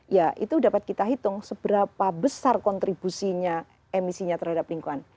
ya itu dapat kita hitung seberapa besar kontribusinya emisinya terhadap lingkungan